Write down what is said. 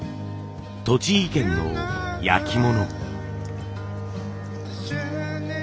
栃木県の焼き物。